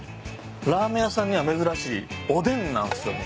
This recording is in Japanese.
ラーメン屋さんには珍しいおでんなんすよね。